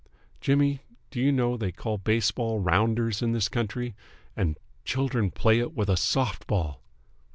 Jimmy, do you know they call baseball Rounders in this country, and children play it with a soft ball!"